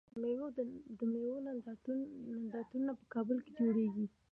د میوو نندارتونونه په کابل کې جوړیږي.